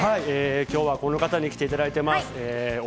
今日は、この方に来ていただいています。